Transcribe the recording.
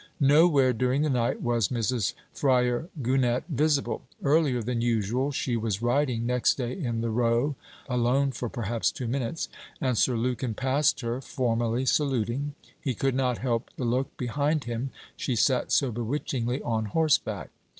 Nowhere during the night was Mrs. Fryar Gannett visible. Earlier than usual, she was riding next day in the Row, alone for perhaps two minutes, and Sir Lukin passed her, formally saluting. He could not help the look behind him, she sat so bewitchingly on horseback!